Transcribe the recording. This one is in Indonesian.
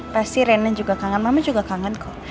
pasti renan juga kangen mama juga kangen kok